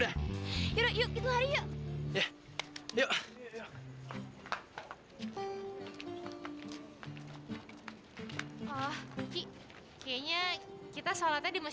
laura gue kangen banget sama kamu